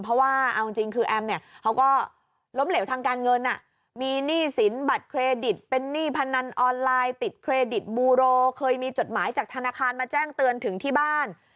เพราะว่าเอาจริงคือแอมเนี่ยเขาก็ล้มเหลวทางการเงินมีหนี้สินบัตรเครดิตเป็นหนี้พนันออนไลน์ติดเครดิตบูโรเคยมีจดหมายจากธนาคารมาแจ้งเตือนถึงที่บ้าน